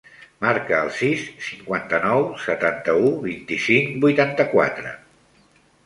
Marca el sis, cinquanta-nou, setanta-u, vint-i-cinc, vuitanta-quatre.